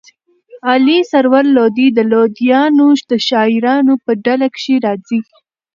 علي سرور لودي د لودیانو د شاعرانو په ډله کښي راځي.